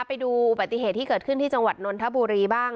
ไปดูอุบัติเหตุที่เกิดขึ้นที่จังหวัดนนทบุรีบ้าง